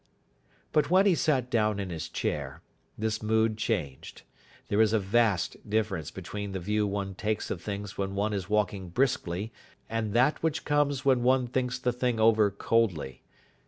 But when he sat down in his chair, this mood changed. There is a vast difference between the view one takes of things when one is walking briskly, and that which comes when one thinks the thing over coldly.